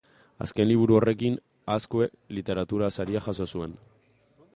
Azken liburu horrekin Azkue literatura saria jaso zuen.